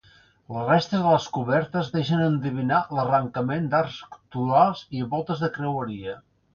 Les restes de les cobertes deixen endevinar l'arrencament d'arcs torals i voltes de creueria.